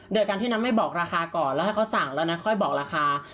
โดยการที่นั้นไม่บอกราคาก่อนแล้วให้เขาสั่งแล้วนะค่อยบอกราคา